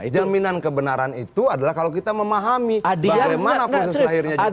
jaminan kebenaran itu adalah kalau kita memahami bagaimana proses lahirnya juga